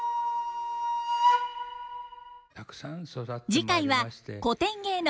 次回は古典芸能